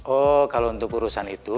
oh kalau untuk urusan itu